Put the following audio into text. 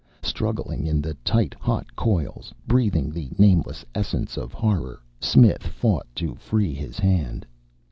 Struggling in the tight, hot coils, breathing the nameless essence of horror, Smith fought to free his hand.